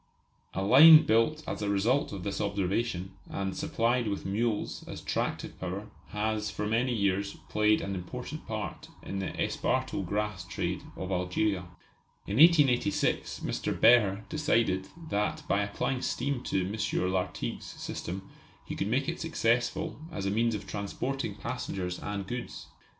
A line built as a result of this observation, and supplied with mules as tractive power, has for many years played an important part in the esparto grass trade of Algeria. In 1886 Mr. Behr decided that by applying steam to M. Lartigue's system he could make it successful as a means of transporting passengers and goods.